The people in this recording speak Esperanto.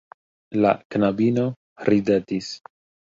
La knabino ridetis.